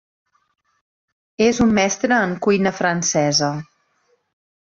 És un mestre en cuina francesa.